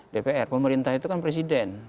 dpr pemerintah itu kan presiden